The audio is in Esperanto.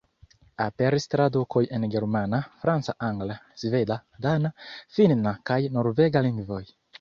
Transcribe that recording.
Aperis tradukoj en germana, franca, angla, sveda, dana, finna kaj norvega lingvoj.